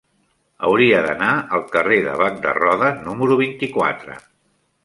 Hauria d'anar al carrer de Bac de Roda número vint-i-quatre.